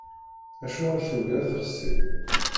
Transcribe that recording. Acuɣer tugi ad texsi?